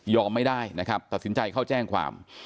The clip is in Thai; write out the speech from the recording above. ไม่ได้นะครับตัดสินใจเข้าแจ้งความ